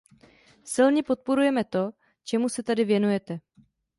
Silně podporujeme to, čemu se tady věnujete.